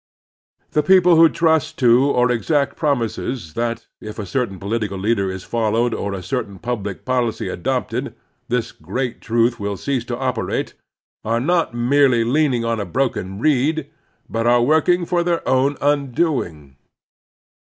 The people who trust to or exact promises that, if a certain political leader is fol lowed or a certain public policy adopted, this great truth will cease to operate, are not merely leaning on a broken reed, but are working for their own xmdoing.